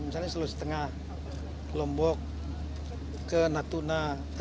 misalnya seluruh setengah lombok ke natuna